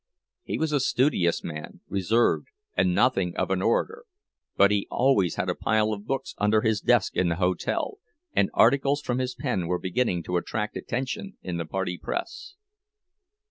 He was a studious man, reserved, and nothing of an orator; but he always had a pile of books under his desk in the hotel, and articles from his pen were beginning to attract attention in the party press.